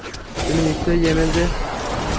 তুমি নিশ্চয়ই এমজে!